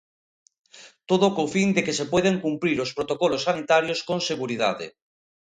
Todo co fin de que se poidan cumprir os protocolos sanitarios con seguridade.